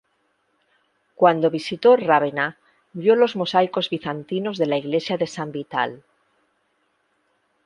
Cuando visitó Rávena vio los mosaicos bizantinos de la iglesia de San Vital.